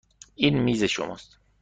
این میز شماست.